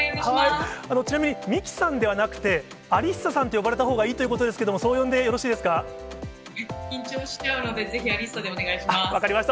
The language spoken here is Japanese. ちなみに、三木さんではなくて、アリッサさんと呼ばれたほうがいいということですけれども、緊張しちゃうので、ぜひ、分かりました。